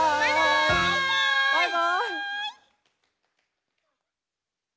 バイバイ！